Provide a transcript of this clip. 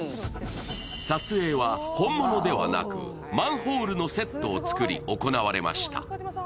撮影は本物ではなく、マンホールのセットを作り、行われました。